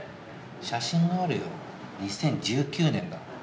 写真あるよ２０１９年だ。